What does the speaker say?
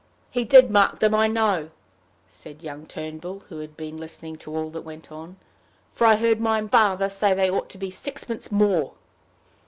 "He did mark those, I know," said young Turnbull, who had been listening to all that went on, "for I heard my father say they ought to be sixpence more."